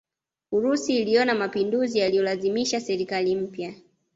Urusi iliona mapinduzi yaliyolazimisha serikali mpya